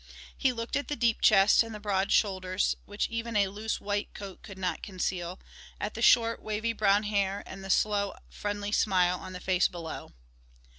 He looked at the deep chest and the broad shoulders which even a loose white coat could not conceal, at the short, wavy brown hair and the slow, friendly smile on the face below.